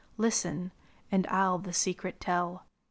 Listen, and I'll the secret tell.